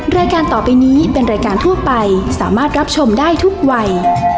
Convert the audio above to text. รายการต่อไปนี้เป็นรายการทั่วไปสามารถรับชมได้ทุกวัย